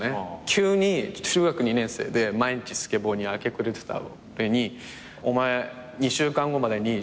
急に中学２年生で毎日スケボーに明け暮れてた俺に「お前２週間後までに将来の夢考えてこい」って。